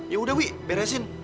yaudah wih beresin